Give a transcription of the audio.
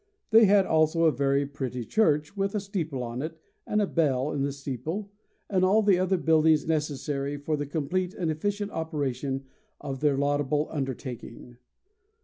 They had also a very pretty church, with a steeple on it, and a bell in the steeple, and all the other buildings necessary for the complete and efficient operation of their laudable undertaking.